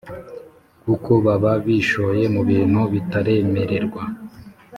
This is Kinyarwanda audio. kuko baba bishoye mu bintu bataremererwa